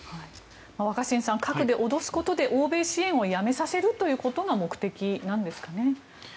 若新さん陰で脅すことで欧米支援をやめさせることが目的なんですかね？